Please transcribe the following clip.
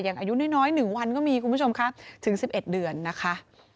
อายุน้อย๑วันก็มีคุณผู้ชมค่ะถึง๑๑เดือนนะคะ